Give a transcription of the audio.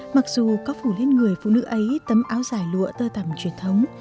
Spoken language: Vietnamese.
mặc dù có phủ lên người phụ nữ ấy tấm áo dài lụa tơ tầm truyền thống